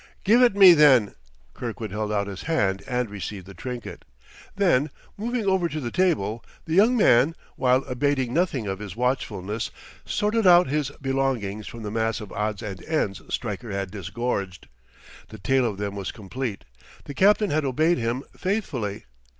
"Give it me, then." Kirkwood held out his hand and received the trinket. Then, moving over to the table, the young man, while abating nothing of his watchfulness, sorted out his belongings from the mass of odds and ends Stryker had disgorged. The tale of them was complete; the captain had obeyed him faithfully.